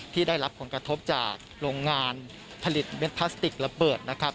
ที่ได้รับผลกระทบจากโรงงานผลิตเม็ดพลาสติกระเบิดนะครับ